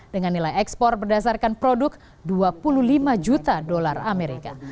dengan nilai ekspor berdasarkan produk dua puluh lima juta dolar amerika